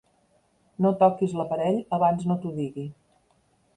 No toquis l'aparell abans no t'ho digui.